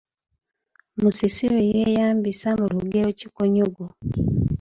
Musisi lwe yeeyambisa mu lugero “Kikonyogo”?